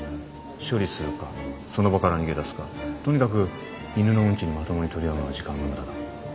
処理するかその場から逃げだすかとにかく犬のウンチにまともに取り合うのは時間の無駄だ。